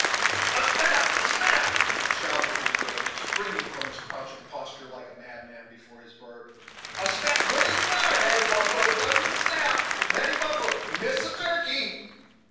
"A snap, a snap!" shouted the negro, springing from his crouching posture like a madman, before his bird. "A snap good as fire Natty Bumppo gun he snap Natty Bumppo miss a turkey!"